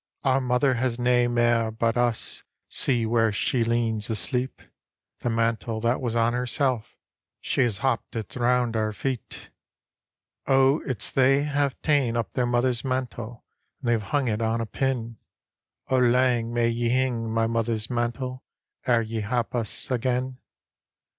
"Our mother has nae mair but us; Sec where she leans asleep ; The mantle that was on herself, She has happ'd it round our feet." D,gt,, erihyGOOgle A Lyke ffake Dirge 23 O it's they have ta'en up their mother's mantle. And they've hung it on a pin; " O lang may ye hing, my mother's mantle, Ere ye h^ us again!